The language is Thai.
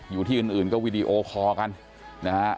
อยู่ที่อื่นก็วีดีโอคอร์กันนะฮะ